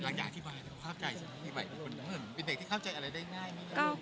หลายอย่างอธิบายความอธิบายเป็นเด็กที่เข้าใจอะไรได้ง่าย